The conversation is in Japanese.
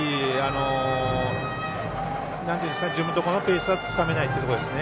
自分のところのペースがつかめないというところですね。